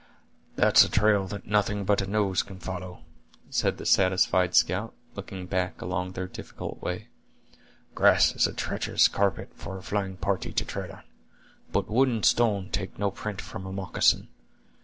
"That's a trail that nothing but a nose can follow," said the satisfied scout, looking back along their difficult way; "grass is a treacherous carpet for a flying party to tread on, but wood and stone take no print from a moccasin.